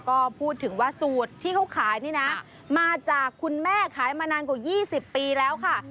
ก็พูดถึงว่าสูตรที่เขาขายนี่นะมาจากคุณแม่ขายมานานกว่า๒๐ปีแล้วค่ะ